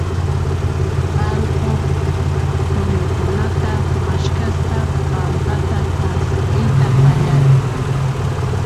allqu tullukunata maskhaspa pampata hasp'iyta qallarin.